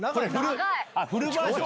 フルバージョン？